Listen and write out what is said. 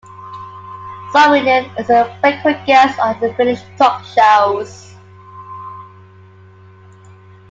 Saarinen is a frequent guest on Finnish talk shows.